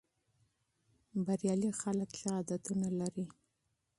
بریالي خلک ښه عادتونه لري.